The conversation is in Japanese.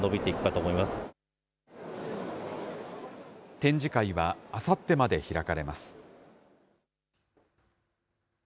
展示会はあさってまで開かれます。